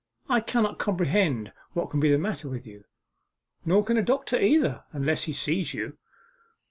I cannot comprehend what can be the matter with you. Nor can a doctor either, unless he sees you.